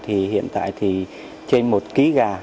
thì hiện tại thì trên một ký gà